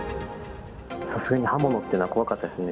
さすがに刃物っていうのは怖かったですね。